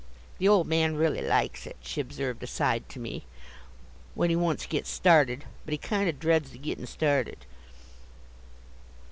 The old man r'aly likes it," she observed aside to me; "when he once gets started, but he kind o' dreads the gittin' started."